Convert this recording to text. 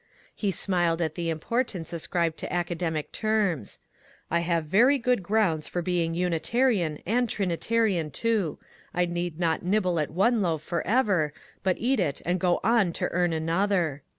*' He smiled at the importance ascribed to academic terms. ^' I have very good grounds for being Unitaiian and Trinitarian too ; I need not nibble at one loaf forever, but eat it and go on to earn an other."